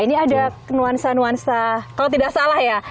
ini ada nuansa nuansa kalau tidak salah ya